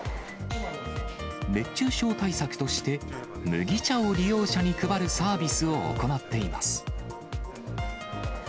熱中症対策として、麦茶を利用者に配るサービスを行っています。